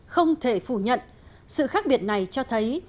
không thể phủ nhận sự khác biệt này cho thấy